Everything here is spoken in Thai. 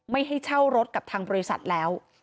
ไม่ให้เช่ารถกับทางบริษัทแล้ว